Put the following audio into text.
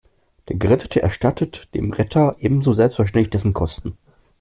Der Gerettete erstattet dem Retter ebenso selbstverständlich dessen Kosten.